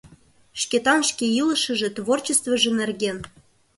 ШКЕТАН ШКЕ ИЛЫШЫЖЕ, ТВОРЧЕСТВЫЖЕ НЕРГЕН